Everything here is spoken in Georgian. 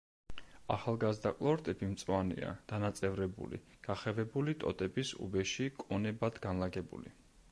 ახალგაზრდა ყლორტები მწვანეა, დანაწევრებული, გახევებული ტოტების უბეში კონებად განლაგებული.